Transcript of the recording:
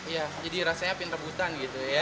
ya jadi rasanya pinterbutan gitu ya